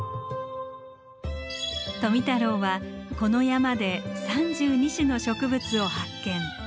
富太郎はこの山で３２種の植物を発見。